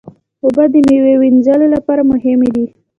اوبه د میوې وینځلو لپاره مهمې دي.